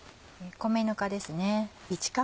米ぬかですね。